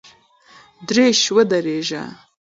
درایش ودرېږه !!